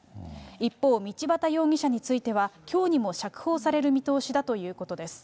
一方、道端容疑者については、きょうにも釈放される見通しだということです。